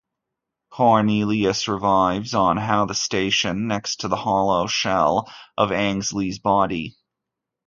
Cornelius revives on the station next to the hollow shell of Anglesey's body.